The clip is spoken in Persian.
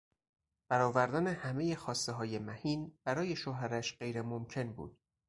برآوردن همهی خواستههای مهین برای شوهرش غیر ممکن بود.